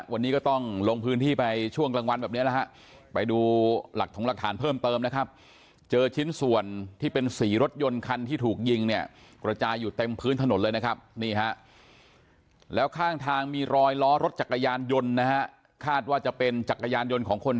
วันนี้ก็ต้องลงพื้นที่ไปช่วงกลางวันแบบเนี้ยฮะไปดูหลักถงหลักฐานเพิ่มเติมนะครับ